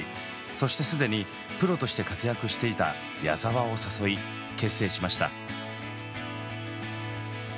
そして既にプロとして活躍していた矢沢を誘い結成しました。